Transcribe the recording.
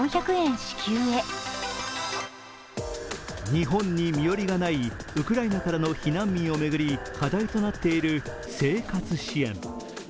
日本に身寄りがないウクライナからの避難民を巡り課題となっている生活支援。